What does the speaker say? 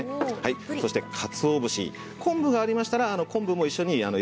そしてかつお節昆布がありましたら昆布も一緒に入れて頂いて。